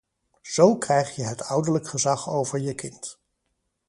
Zo krijg je het ouderlijk gezag over je kind.